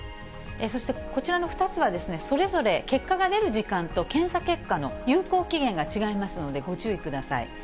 そして、こちらの２つはそれぞれ結果が出る時間と、検査結果の有効期限が違いますので、ご注意ください。